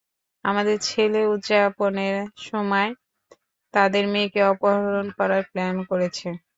আমাদের ছেলে উদযাপনের সময় তোমার মেয়েকে অপহরণ করার প্ল্যান করেছে।